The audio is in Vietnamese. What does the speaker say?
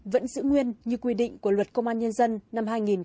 vẫn giữ nguyên như quy định của luật công an nhân dân